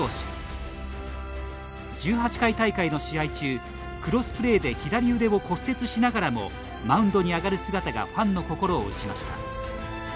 １８回大会の試合中クロスプレーで左腕を骨折しながらもマウンドに上がる姿がファンの心を打ちました。